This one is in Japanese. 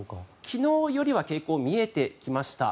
昨日よりは傾向が見えてきました。